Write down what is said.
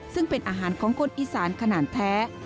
ซึ่งเป็นอาหารของคนอีสานขนาดแท้